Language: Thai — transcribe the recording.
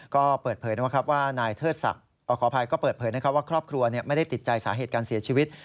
ก็เปิดเผยว่าครอบครัวไม่ได้ติดใจสาเหตุการเสียชีวิต